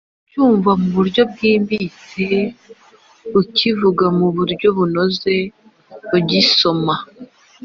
ucyumva mu buryo bwimbitse, ukivuge mu buryo bunoze, ugisome